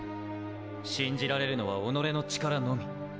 信じられるのは己の力のみ。